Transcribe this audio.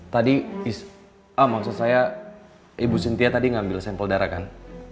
tadi maksud saya ibu sintia tadi ngambil sampel darah kan